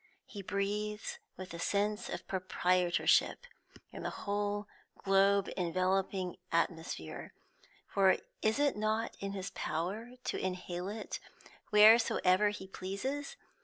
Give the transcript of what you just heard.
He breathes with a sense of proprietorship in the whole globe enveloping atmosphere; for is it not in his power to inhale it wheresoever he pleases?